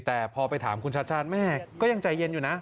แต่พอไปถามคุณชาติชาติแม่ก็ยังใจเย็นอยู่นะ